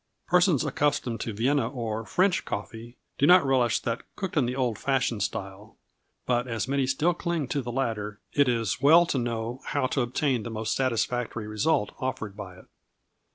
Persons accustomed to Vienna or French coffee do not relish that cooked in the old fashioned style, but as many still cling to the latter, it is well to know how to obtain the most satisfactory result offered by it.